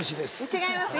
違います